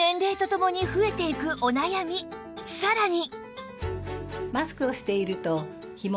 さらに